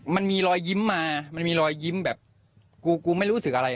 มันมีรอยยิ้มรอยยิ้มแบบกูไม่รู้สึกอะไรครับพี่